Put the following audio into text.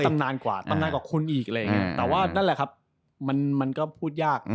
นี่ตำนานกว่าตำนานกว่าคุณอีกแต่ว่านั่นแหละครับมันก็พูดยาก